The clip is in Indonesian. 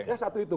ya satu itu